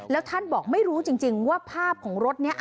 แล้วท่านบอกไม่รู้จริงว่าภาพของรถนี้